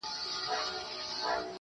ته يې بد ايسې~